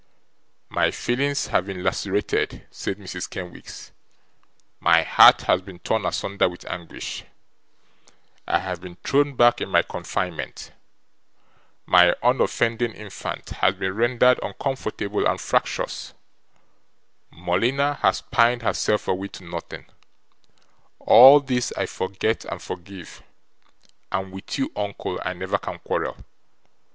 'My feelings have been lancerated,' said Mrs. Kenwigs, 'my heart has been torn asunder with anguish, I have been thrown back in my confinement, my unoffending infant has been rendered uncomfortable and fractious, Morleena has pined herself away to nothing; all this I forget and forgive, and with you, uncle, I never can quarrel.